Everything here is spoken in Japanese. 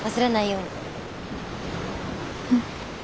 うん。